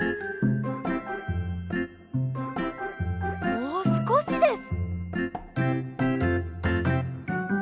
もうすこしです。